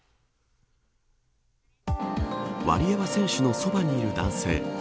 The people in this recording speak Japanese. ワリエワ選手のそばにいる男性